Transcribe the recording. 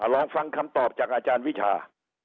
ลองฟังคำตอบจากอาจารย์วิชา